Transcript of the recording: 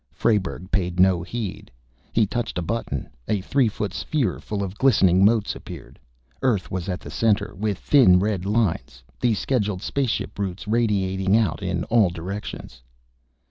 Frayberg paid no heed. He touched a button; a three foot sphere full of glistening motes appeared. Earth was at the center, with thin red lines, the scheduled space ship routes, radiating out in all directions.